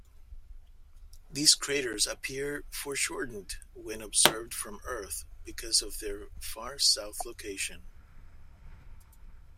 These craters appear foreshortened when observed from Earth because of their far south location.